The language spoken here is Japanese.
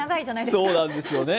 そうなんですよね。